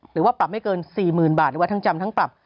หรือว่าปรับไม่เกิน๔๐๐๐บาทหรือว่าทั้งจำทั้งปรับ